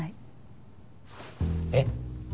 えっ？